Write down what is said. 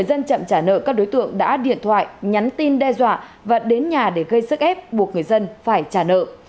người dân chậm trả nợ các đối tượng đã điện thoại nhắn tin đe dọa và đến nhà để gây sức ép buộc người dân phải trả nợ